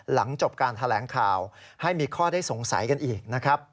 หลังจบการแถลงข่าวให้มีข้อได้สงสัยกันอีกนะครับ